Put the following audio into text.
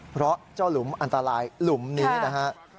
เพราะเจ้าหลุมอันตรายหลุมนี้นะฮะ